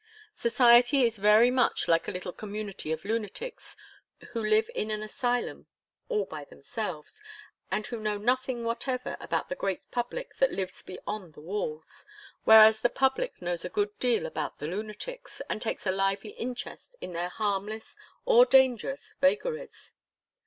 Society is very much like a little community of lunatics, who live in an asylum all by themselves, and who know nothing whatever about the great public that lives beyond the walls, whereas the public knows a good deal about the lunatics, and takes a lively interest in their harmless, or dangerous, vagaries.